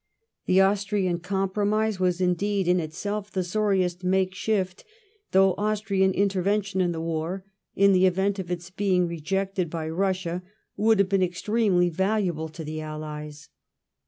The Austrian compromise was indeed in itself the sorriest make shift, though Austrian intervention in the war, in the event of its being rejected by Bussia^ would have been extremely valuable to the Allies.